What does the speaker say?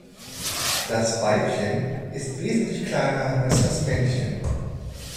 Das Weibchen ist wesentlich kleiner als das Männchen.